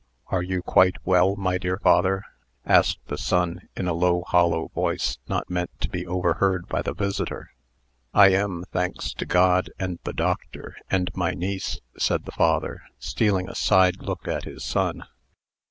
"Are you quite well, my dear father?" asked the son, in a low, hollow voice, not meant to be overheard by the visitor. "I am, thanks to God, and the doctor, and my niece," said the father, stealing a side look at his son.